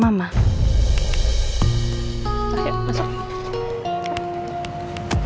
mas al masuk